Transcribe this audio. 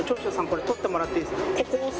これ撮ってもらっていいですか？